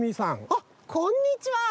あっこんにちは。